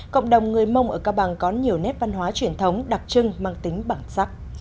cộng đồng người mông ở cao bằng có nhiều nét văn hóa truyền thống đặc trưng mang tính bản sắc